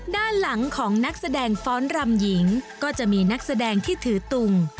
ด้านหลังของนักแสดงฟ้อนรำหญิงก็จะมีนักแสดงที่ถือตุง